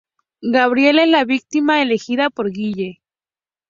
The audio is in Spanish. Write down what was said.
Gabriel es la víctima elegida por Guille.